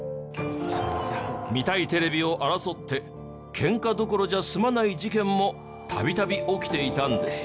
見たいテレビを争ってケンカどころじゃ済まない事件も度々起きていたんです。